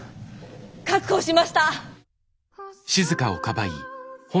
確保しました。